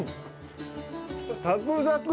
サクサク。